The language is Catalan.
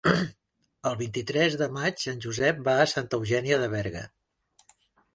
El vint-i-tres de maig en Josep va a Santa Eugènia de Berga.